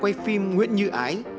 quay phim nguyễn như ái